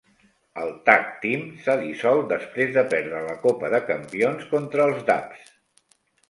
El tag team s'ha dissolt després de perdre la copa de campions contra els Dupps.